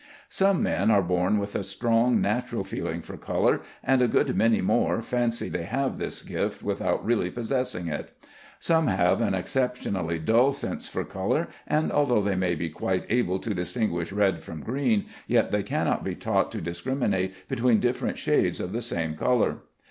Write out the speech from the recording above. Some men are born with a strong natural feeling for color, and a good many more fancy they have this gift without really possessing it. Some have an exceptionally dull sense for color, and although they may be quite able to distinguish red from green, yet they cannot be taught to discriminate between different shades of the same color.